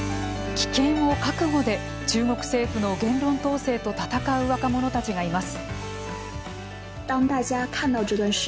危険を覚悟で中国政府の言論統制と闘う若者たちがいます。